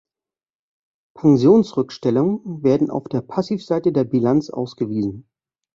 Pensionsrückstellungen werden auf der Passivseite der Bilanz ausgewiesen.